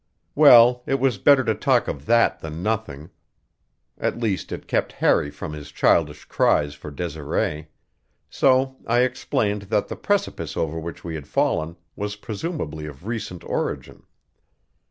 Well, it was better to talk of that than nothing; at least, it kept Harry from his childish cries for Desiree. So I explained that the precipice over which we had fallen was presumably of recent origin.